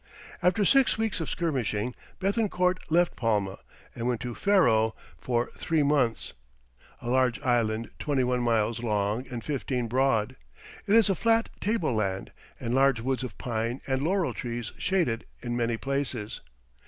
After six weeks of skirmishing, Béthencourt left Palma, and went to Ferro for three months, a large island twenty one miles long and fifteen broad. It is a flat table land, and large woods of pine and laurel trees shade it in many places.